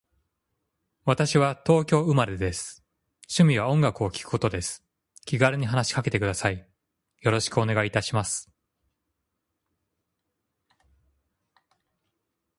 私は東京都生まれです。趣味は音楽を聴くことです。気軽に話しかけてください。よろしくお願いいたします。